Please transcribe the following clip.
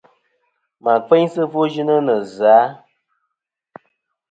Mà kfeynsɨ ɨfwoyɨnɨ nɨ zɨ-a ?